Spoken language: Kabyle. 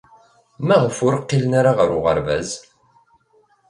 Maɣef ur qqilen ara ɣer uɣerbaz?